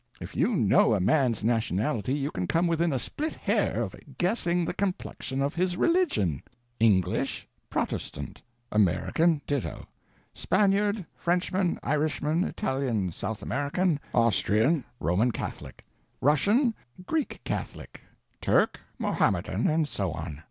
If you know a man's nationality you can come within a split hair of guessing the complexion of his religion: English—Protestant; American—ditto; Spaniard, Frenchman, Irishman, Italian, South American—Roman Catholic; Russian—Greek Catholic; Turk—Mohammedan; and so on.